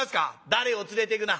「誰を連れてくな？」。